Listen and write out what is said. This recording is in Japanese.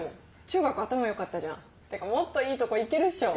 中学頭良かったじゃんてかもっといいとこ行けるっしょ。